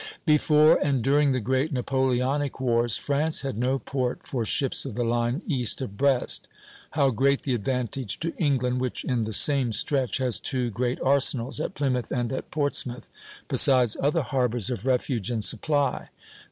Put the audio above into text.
Before and during the great Napoleonic wars, France had no port for ships of the line east of Brest. How great the advantage to England, which in the same stretch has two great arsenals, at Plymouth and at Portsmouth, besides other harbors of refuge and supply.